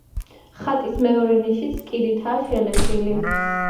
ხატის მეორე ნიშიც კირითაა შელესილი.